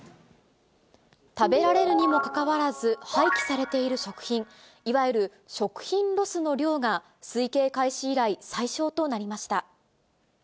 食べられるにもかかわらず、廃棄されている食品、いわゆる食品ロスの量が推計開始以来最少となりました。